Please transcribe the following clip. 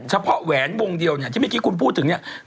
เฉพาะแหวนวงเดียวที่เมื่อกี้คุณพูดถึง